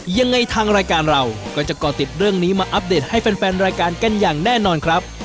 ยังไงทางรายการเราก็จะก่อติดเรื่องนี้มาอัปเดตให้แฟนรายการกันอย่างแน่นอนครับ